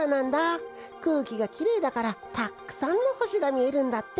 くうきがきれいだからたっくさんのほしがみえるんだって。